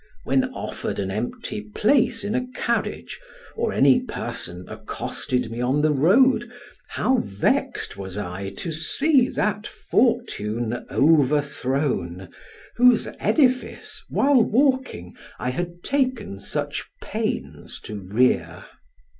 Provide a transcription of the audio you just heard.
When offered an empty place in a carriage, or any person accosted me on the road, how vexed was I to see that fortune overthrown, whose edifice, while walking, I had taken such pains to rear.